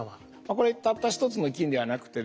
これたった一つの菌ではなくてですね